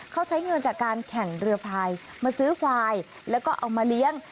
เขาใช้เงินจากการแข่งเรือพายมาซื้อควายแล้วก็เอามาเลี้ยง